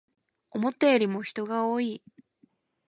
思ったよりも人が多い